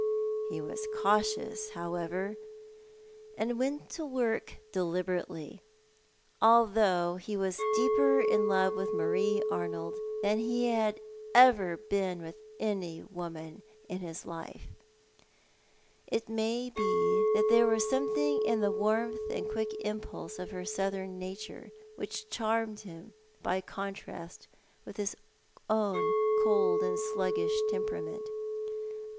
He was cautious, however, and went to work deliberately, although he was deeper in love with Marie Arnold than he had ever been with any woman in his life. It may be that there was some thing in the warmth and quick impulse of her southern nature which charmed him by contrast with his own cold and sluggish temperament.